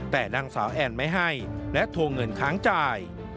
แต่นางสาวแอนไม่ให้และทวงเงินค้างจ่าย